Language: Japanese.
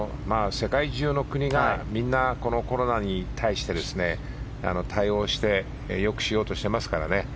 世界中の国がみんなコロナに対して対応して良くしようとしていますからね。